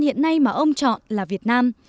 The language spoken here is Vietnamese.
hiện nay mà ông chọn là việt nam